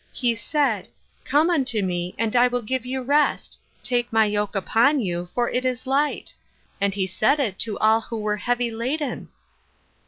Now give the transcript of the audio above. He said, ' Come unto me and 1 will give you rest ; take my yoke upon you, for it is light.' And he said it to all who are * heavy laden.'